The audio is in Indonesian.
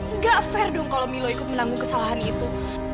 enggak adil dong kalau milo ikut menanggung kesalahan itu